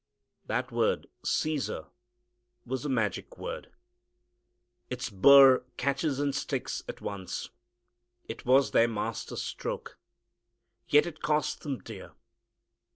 That word "Caesar" was a magic word. Its bur catches and sticks at once. It was their master stroke. Yet it cost them dear.